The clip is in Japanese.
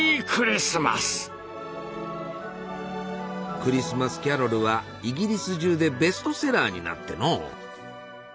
「クリスマス・キャロル」はイギリス中でベストセラーになってのう。